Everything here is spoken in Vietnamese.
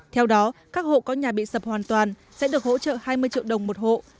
theo đó các hộ có nhà bị sập hoàn toàn sẽ được hỗ trợ hai mươi triệu đồng một hộ